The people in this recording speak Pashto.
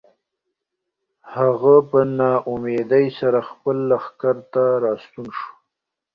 هغه په ناامیدۍ سره خپل لښکر ته راستون شو.